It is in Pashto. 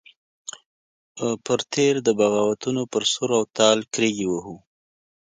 پر تېر د بغاوتونو پر سور او تال کرېږې وهو.